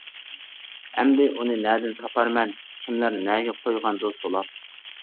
ئەمدى ئۇنى نەدىن تاپارمەن، كىملەر نەگە قويغاندۇ سولاپ.